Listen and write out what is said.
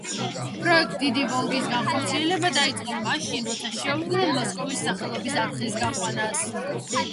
პროექტ „დიდი ვოლგის“ განხორციელება დაიწყო მაშინ, როცა შეუდგნენ მოსკოვის სახელობის არხის გაყვანას.